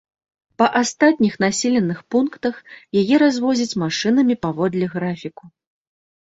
Па астатніх населеных пунктах яе развозяць машынамі паводле графіку.